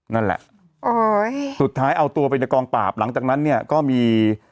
นั่นแหละโอ้ยสุดท้ายเอาตัวไปในกองปราบหลังจากนั้นเนี่ยก็มี